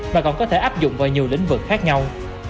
mà còn có thể áp dụng vào nhiều lĩnh vực khác nhau